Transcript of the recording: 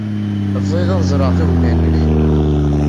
Bɣiɣ ad ẓreɣ tugna-nnek.